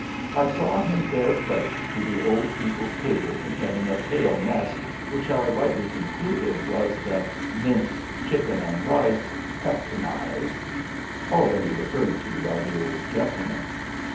I saw him bear plates to the old people's table containing a pale mess which I rightly concluded was the "minced chicken and rice peptonized," already referred to by the old gentleman.